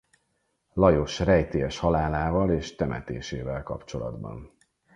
Lajos rejtélyes halálával és temetésével kapcsolatban.